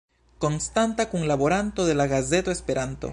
Konstanta kunlaboranto de la gazeto Esperanto.